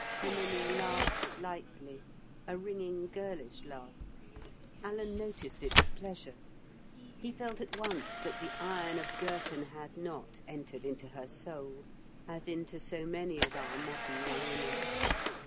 Herminia laughed lightly—a ringing girlish laugh. Alan noticed it with pleasure. He felt at once that the iron of Girton had not entered into her soul, as into so many of our modern young women's.